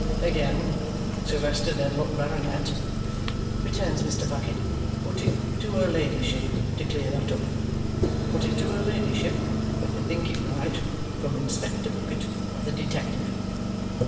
"Again, Sir Leicester Dedlock, Baronet," returns Mr. Bucket, "put it to her ladyship to clear that up. Put it to her ladyship, if you think it right, from Inspector Bucket of the Detective.